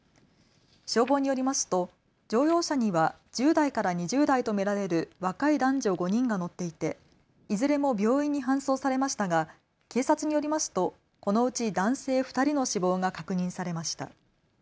消防によりますと乗用車には１０代から２０代と見られる若い男女５人が乗っていていずれも病院に搬送されましたが警察によりますとこのうち男性２人の死亡が確認されました。